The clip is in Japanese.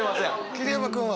桐山君は？